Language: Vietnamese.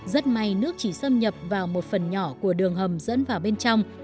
rất may nước chỉ xâm nhập vào một phần nhỏ của đường hầm dẫn vào bên trong